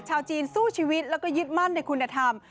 ชาวจีนสู้ชีวิตแล้วก็ยึดมั่นในคุณธรรม